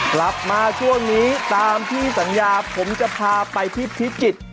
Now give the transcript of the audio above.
กลับมาช่วงนี้ตามที่สัญญาผมจะพาไปที่พิจิตร